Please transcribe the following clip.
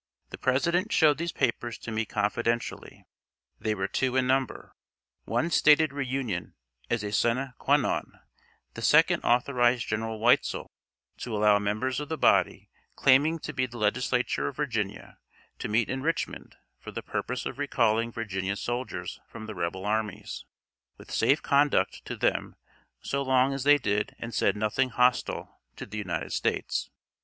The President showed these papers to me confidentially. They were two in number. One stated reunion as a sine qua non; the second authorized General Weitzel to allow members of the body claiming to be the Legislature of Virginia to meet in Richmond for the purpose of recalling Virginia's soldiers from the rebel armies, with safe conduct to them so long as they did and said nothing hostile to the United States.